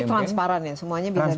jadi transparan ya semuanya bisa dicek